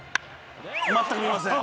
全く見ません。